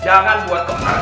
jangan buat kemarin